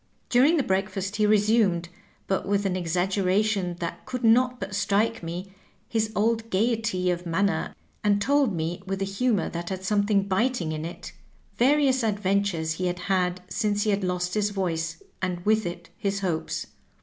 During the breakfast he resumed, but with an exaggera tion that could not but strike me, his old gayety of man ner, and told me, with a humor that had something bit ing in it, various adventures he had had since he had lost his voice, and with it his hopes.